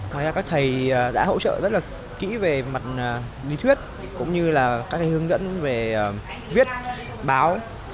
ngoài ra các thầy đã hỗ trợ rất là kỹ về mặt lý thuyết cũng như là các hướng dẫn về viết báo